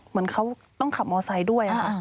เหมือนเขาต้องขับมอไซค์ด้วยค่ะ